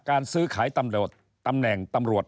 การซื้อขายตำแหน่งตำรวจ